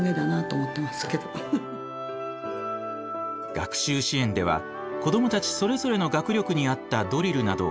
学習支援では子どもたちそれぞれの学力に合ったドリルなどを選んでいます。